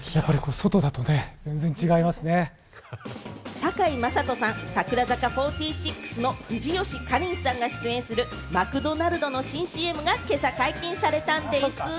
堺雅人さん、櫻坂４６の藤吉夏鈴さんが出演するマクドナルドの新ＣＭが今朝解禁されたんでぃす。